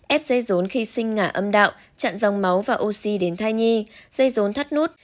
ép dây rốn khi sinh ngả âm đạo chặn dòng máu và oxy đến thai nhi dây rốn thắt nút